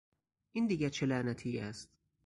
این دیگر چه لعنتی است؟